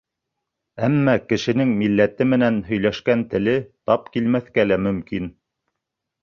Әммә кешенең милләте менән һөйләшкән теле тап килмәҫкә лә мөмкин.